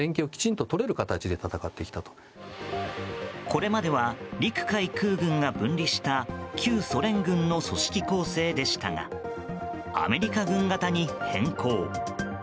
これまでは陸・海・空軍が分離した旧ソ連軍の組織構成でしたがアメリカ軍型に変更。